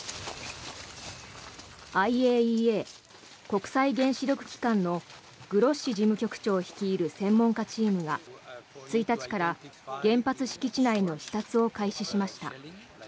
ＩＡＥＡ・国際原子力機関のグロッシ事務局長率いる専門家チームが１日から原発敷地内の視察を開始しました。